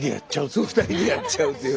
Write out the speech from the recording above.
そう２人でやっちゃうという。